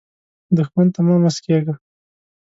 دښمن ته مه مسکېږه